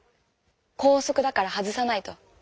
校則だから外さないと。